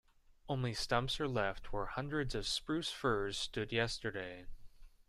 Only stumps are left where hundreds of spruce firs stood yesterday.